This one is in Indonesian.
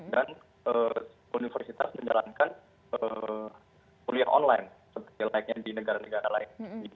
dan universitas menjalankan kuliah online seperti lainnya di negara negara lain